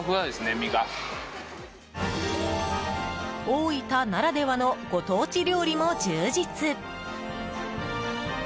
大分ならではのご当地料理も充実。